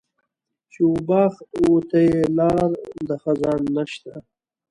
چې و باغ وته یې لار د خزان نشته.